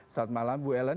selamat malam bu ellen